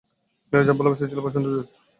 নীরজার ভালোবাসার ছিল প্রচণ্ড জেদ।